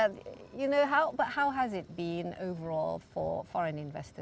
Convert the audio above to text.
untuk pelabur luar indonesia